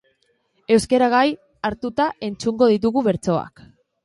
Euskara gai hartuta entzungo ditugu bertsoak.